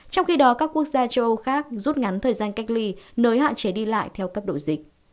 trong khi đó các quốc gia châu âu khác rút ngắn thời gian cách ly nới hạn chế đi lại theo cấp độ dịch